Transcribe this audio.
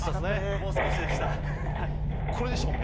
もう少しでしたはいこれでしたもんね